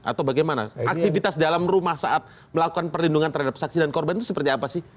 atau bagaimana aktivitas dalam rumah saat melakukan perlindungan terhadap saksi dan korban itu seperti apa sih